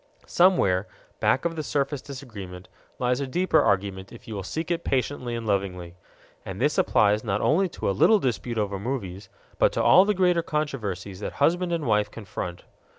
Somewhere, back of the surface disagreement, lies a deeper agreement if you will seek it patiently and lovingly. And this applies not only to a little dispute over movies, but to all the greater controversies that husband and wife confront.